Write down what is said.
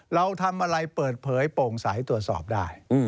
เราทำอะไรเปิดเผยโปร่งใสตรวจสอบได้